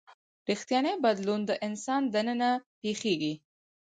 ریښتینی بدلون د انسان دننه پیښیږي.